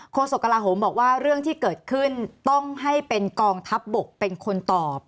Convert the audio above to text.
โศกกระลาโหมบอกว่าเรื่องที่เกิดขึ้นต้องให้เป็นกองทัพบกเป็นคนตอบ